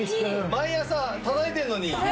毎朝たたいてるのに。